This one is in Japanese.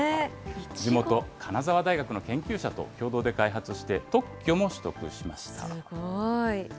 地元、金沢大学の研究者と共同で開発して、特許も取得しましすごい。